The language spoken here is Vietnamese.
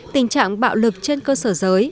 tình trạng bạo lực trên cơ sở giới